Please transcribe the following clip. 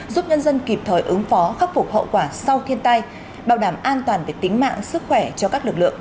giúp nhân dân kịp thời ứng phó khắc phục hậu quả sau thiên tai bảo đảm an toàn về tính mạng sức khỏe cho các lực lượng